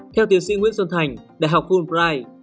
theo tiến sĩ nguyễn xuân thành đại học fulbright